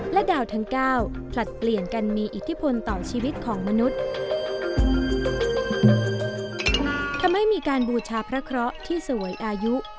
และดาวทั้งเก้าผลัดเปลี่ยนกันมีอิทธิพลต่อชีวิตของมนุษย์ทำให้มีการบูชาพระเคราะห์ที่สวยอายุ